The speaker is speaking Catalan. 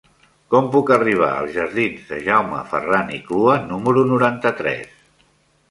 Com puc arribar als jardins de Jaume Ferran i Clua número noranta-tres?